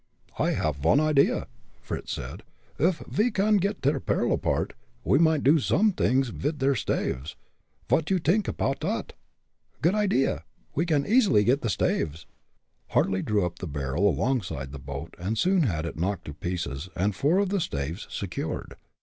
"I haff von idea," Fritz said. "Uff ve can got der parrel apart, we might do somedings vid der staves vot you t'ink apoud dot?" "Good idea. We can easily get the staves." Hartly drew the barrel up alongside the boat, and soon had it knocked to pieces, and four of the staves secured.